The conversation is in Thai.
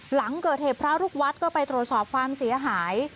หลังเกิดเหตุพระลูกวัดก็ไปตรวจสอบความเสียหาย